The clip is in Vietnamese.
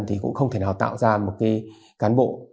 thì cũng không thể nào tạo ra một cái cán bộ